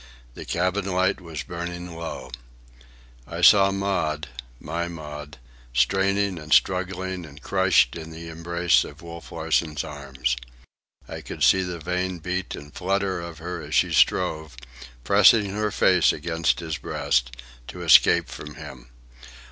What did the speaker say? The cabin light was burning low. I saw Maud, my Maud, straining and struggling and crushed in the embrace of Wolf Larsen's arms. I could see the vain beat and flutter of her as she strove, pressing her face against his breast, to escape from him.